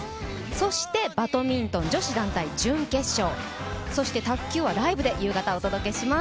そして、バドミントン女子団体準決勝、そして卓球はライブで夕方、お届けします。